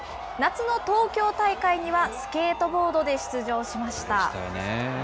夏の東京大会にはスケートボードで出場しました。